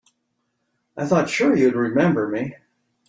I thought sure you'd remember me.